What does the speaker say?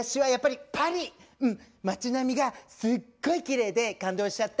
町並みがすっごいきれいで感動しちゃった。